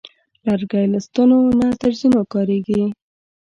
لرګی له ستنو نه تر زینو کارېږي.